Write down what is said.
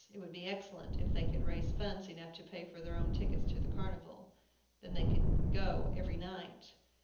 It would be excellent if they could raise funds enough to pay for their own tickets to the carnival; then they could go every night.